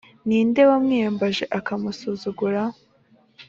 ni nde wamwiyambaje, akamusuzugura?